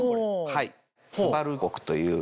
はい。